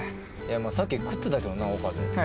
さっき食ってたけどな岡部。